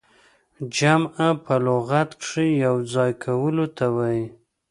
جمع په لغت کښي يو ځاى کولو ته وايي.